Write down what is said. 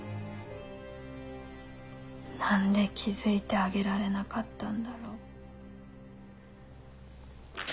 何で気付いてあげられなかったんだろう。